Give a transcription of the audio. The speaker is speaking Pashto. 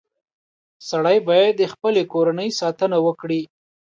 • سړی باید د خپلې کورنۍ ساتنه وکړي.